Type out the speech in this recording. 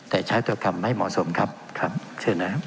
แต่ใช้ตัวกรรมไม่เหมาะสมครับครับเชิญนะครับ